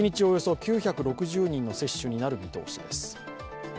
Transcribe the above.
およそ９６０人の接種になる見通しです。